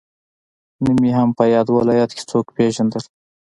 نه مې هم په ياد ولايت کې څوک پېژندل.